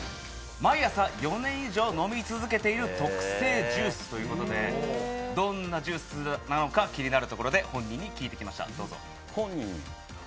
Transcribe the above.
毎朝、４年以上飲み続けている特製ジュースということでどんなジュースなのか気になるところで、本人に聞いてきました。